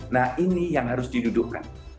nah ini yang harus didudukkan